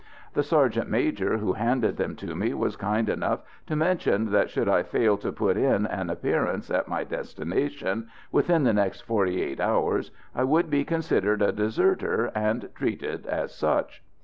The sergeant major who handed them to me was kind enough to mention that should I fail to put in an appearance at my destination within the next forty eight hours, I would be considered a deserter, and treated as such.